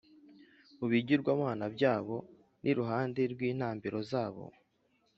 mu bigirwamana byabo n’iruhande rw’intambiro zabo